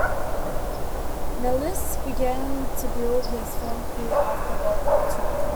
Nalis began to build his film career after World War Two.